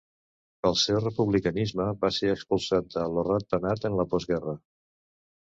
Pel seu republicanisme va ser expulsat de Lo Rat Penat en la postguerra.